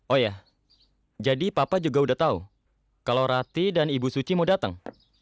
oh ya jadi papa juga udah tahu kalau rati dan ibu suci mau datang